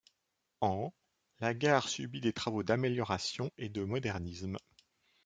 En , la gare subit des travaux d'amélioration et de modernisme.